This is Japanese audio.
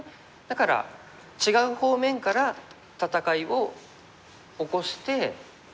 だから違う方面から戦いを起こして。